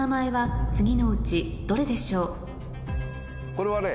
これはね